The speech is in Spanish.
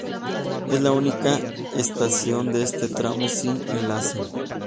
Es la única estación de este tramo sin enlace.